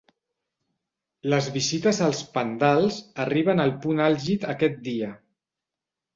Les visites als "pandals" arriben al punt àlgid aquest dia.